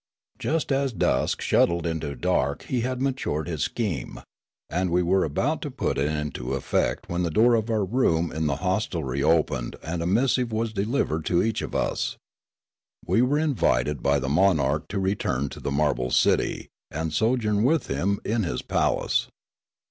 Just as dusk shuttled into dark he had matured his scheme, and we were about to put it into effect when the door of our room in the hostelry opened and a missive was delivered to each of us. We were invited by the monarch to return to the marble city and so journ with him in his palace.